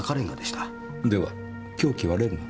では凶器はレンガ？